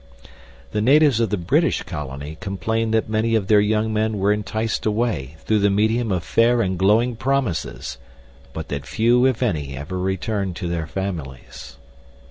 The natives of the British Colony complained that many of their young men were enticed away through the medium of fair and glowing promises, but that few if any ever returned to their families.